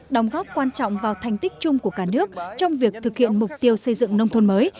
đóng góp quan trọng vào thành tích chung của cả nước trong việc thực hiện mục tiêu xây dựng nông thôn mới